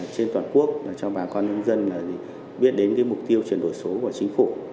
trên toàn quốc cho bà con nông dân biết đến cái mục tiêu chuyển đổi số của chính phủ